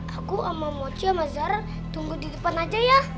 aku sama mochi sama zara tunggu di depan aja ya